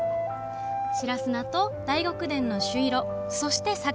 白砂と大極殿の朱色そして、桜。